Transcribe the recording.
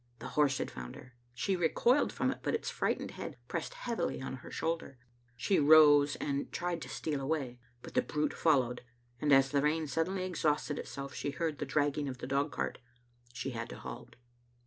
The horse had found her. She recoiled from it, but its frightened head pressed heavily on her shoulder. She rose and tried to steal away, but the brute followed, and as the rain suddenly exhausted itself she heard the drag ging of the dogcart. She had to halt.